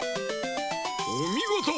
おみごと！